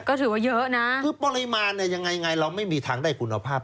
แค่๑นี่คะคือปริมาณอย่างไรเราไม่มีทางได้คุณภาพ